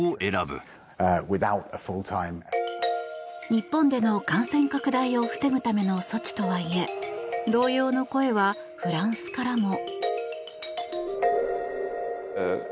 日本での感染拡大を防ぐための措置とはいえ同様の声はフランスからも。